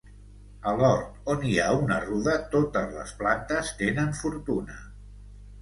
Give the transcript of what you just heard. A l'hort on hi ha una ruda totes les plantes tenen fortuna.